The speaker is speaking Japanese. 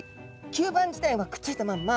吸盤自体はくっついたまんま